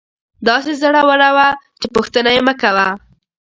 داسې زړوره وه چې پوښتنه یې مکوه.